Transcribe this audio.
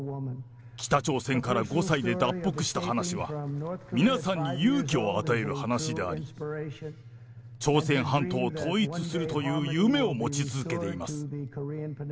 北朝鮮から５歳で脱北した話は、皆さんに勇気を与える話であり、朝鮮半島を統一するという夢を持ち続けています。